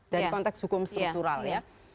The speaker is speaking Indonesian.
dari konteks hukum struktural ya